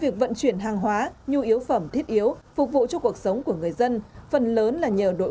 việc vận chuyển hàng hóa nhu yếu phẩm thiết yếu phục vụ cho cuộc sống của người dân phần lớn là nhờ đội